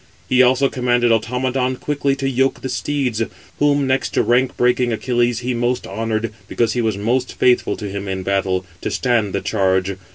He also commanded Automedon quickly to yoke the steeds, whom, next to rank breaking Achilles, he most honoured, because he was most faithful to him in battle, to stand the charge.